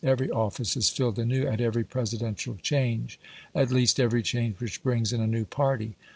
Every office is filled anew at every presidential change, at least every change which brings in a new party.